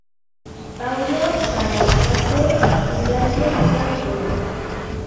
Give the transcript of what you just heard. Pablo Sarasate ikasle izan zuen.